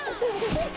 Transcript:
ハハハハ！